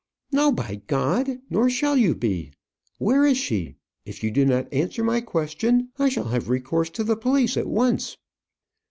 "No, by G ! Nor shall you be. Where is she? If you do not answer my question, I shall have recourse to the police at once."